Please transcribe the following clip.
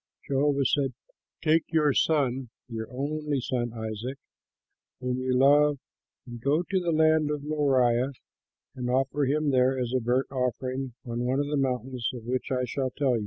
Jehovah said, "Take your son, your only son Isaac, whom you love, and go to the land of Moriah, and offer him there as a burnt offering on one of the mountains of which I shall tell you."